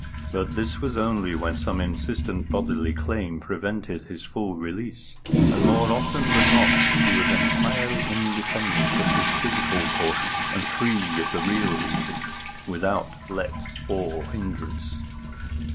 But this was only when some insistent bodily claim prevented his full release, and more often than not he was entirely independent of his physical portion and free of the real region, without let or hindrance.